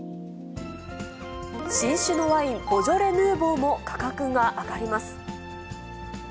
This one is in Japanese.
新酒のワイン、ボジョレ・ヌーボーも価格が上がります。